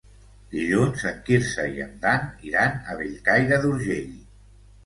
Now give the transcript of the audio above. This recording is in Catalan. Dilluns en Quirze i en Dan iran a Bellcaire d'Urgell.